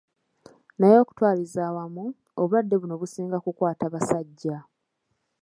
Naye okutwaliza awamu, obulwadde buno businga kukwata basajja